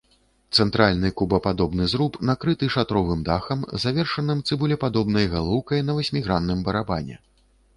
Цэнтральны кубападобны зруб накрыты шатровым дахам, завершаным цыбулепадобнай галоўкай на васьмігранным барабане.